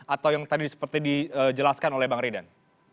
atau yang tadi seperti dijelaskan oleh bang ridan